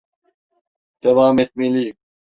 Devam etmeliyim.